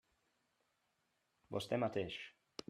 Vostè mateix.